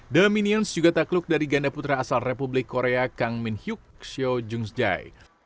dominions juga takluk dari ganda putra asal republik korea kang min hyuk seo jung sjai